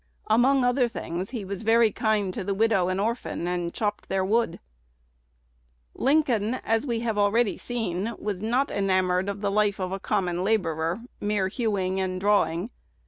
Among other things, "he was very kind to the widow and orphan, and chopped their wood." Lincoln, as we have seen already, was not enamored of the life of a common laborer, mere hewing and drawing.